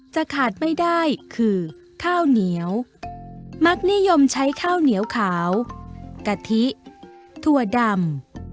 จะขาดไม่ได้คือข้าวเหนียวมักนิยมใช้ข้าวเหนียวขาวกะทิถั่วดำ